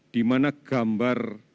di mana gambar